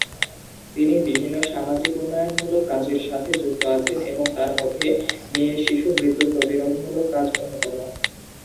তিনি বিভিন্ন সামাজিক উন্নয়নমূলক কাজের সাথে যুক্ত আছেন তার মধ্যে মেয়ে শিশু মৃত্যু প্রতিরোধমূলক কাজ অন্যতম।